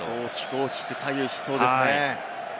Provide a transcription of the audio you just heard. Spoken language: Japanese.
大きく左右しそうですね。